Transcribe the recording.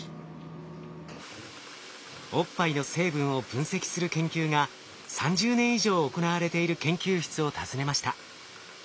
おっぱいの成分を分析する研究が３０年以上行われている研究室を訪ねました。